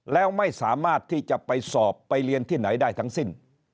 แล้วไม่สามารถที่จะไปสอบไปเรียนที่ไหนได้ทั้งสิ้น